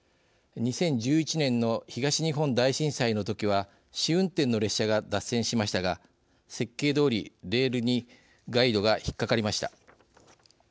２０１１年の東日本大震災のときは試運転の列車が脱線しましたが設計どおりレールにガイドが引っかかりました。